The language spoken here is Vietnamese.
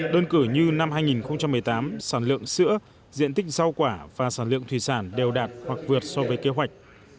đơn cử như năm hai nghìn một mươi tám sản lượng sữa diện tích rau quả và sản lượng thủy sản đều đạt hoặc vượt so với kế hoạch